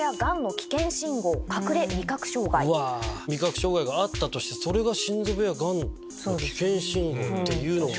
味覚障害があったとして心臓病やがんの危険信号っていうのが。